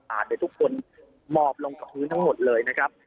ทุกคนหมอบลงกับพื้นทั้งหมดเลยนะครับ